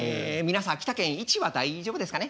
皆さん秋田県位置は大丈夫ですかね？